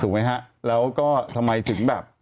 ไหมฮะแล้วก็ทำไมถึงแบบ